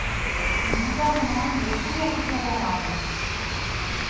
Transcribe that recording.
Le Gouvernement y est toujours défavorable.